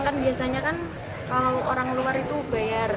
kan biasanya kan kalau orang luar itu bayar